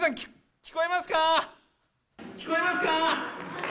聞こえますか？